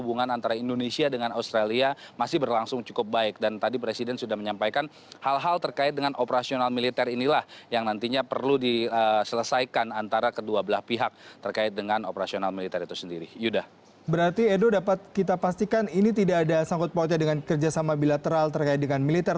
berarti edo dapat kita pastikan ini tidak ada sangkut pautnya dengan kerjasama bilateral terkait dengan militer